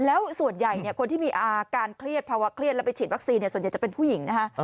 แล้วส่วนใหญ่คนที่มีอาการเครียดภาวะเครียดแล้วไปฉีดวัคซีนส่วนใหญ่จะเป็นผู้หญิงนะฮะ